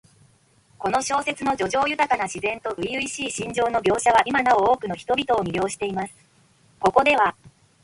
この小説の叙情豊かな自然と初々しい心情の描写は、今なお多くの人々を魅了しています。ここでは、